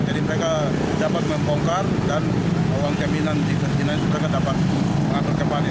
jadi mereka dapat membongkar dan uang keminan di perizinan itu dapat mengambil kembali